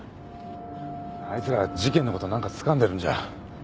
あいつら事件のこと何かつかんでるんじゃ？